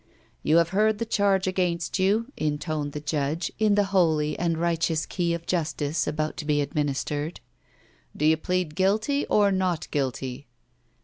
"You have heard the charge against you," intoned the judge in the holy and righteous key of justice about to be administered. "Do you plead guilty or not guilty?'